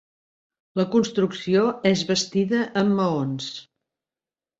La construcció és bastida amb maons.